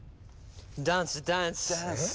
ダンスダンス！